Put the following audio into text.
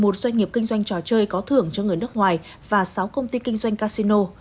một doanh nghiệp kinh doanh trò chơi có thưởng cho người nước ngoài và sáu công ty kinh doanh casino